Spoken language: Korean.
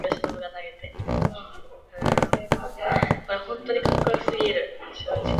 첫째 어머니는 불을 한 화로 담아 가지고 들어온다.